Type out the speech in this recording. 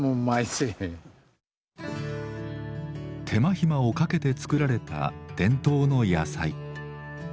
手間暇をかけて作られた伝統の野菜。